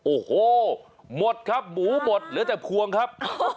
โอ้โหหมดครับหมูหมดเหลือแต่พวงครับ